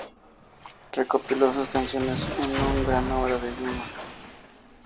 Recopiló sus canciones en un gran número de idiomas.